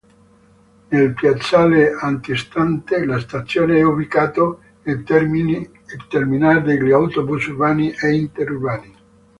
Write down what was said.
Nel piazzale antistante la stazione è ubicato il terminal degli autobus urbani e interurbani.